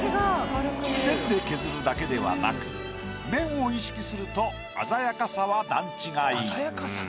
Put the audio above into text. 線で削るだけではなく「面」を意識すると鮮やかさは段違い。